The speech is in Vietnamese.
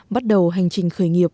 bắt đầu hành trình khởi nghiệp